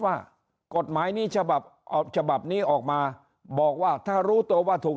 ว่ากฎหมายนี้ฉบับออกฉบับนี้ออกมาบอกว่าถ้ารู้ตัวว่าถูก